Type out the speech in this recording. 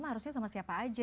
harusnya sama siapa aja